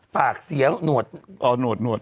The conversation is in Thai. ปากเสียงหนวด